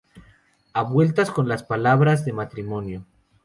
A vueltas con las palabras de matrimonio".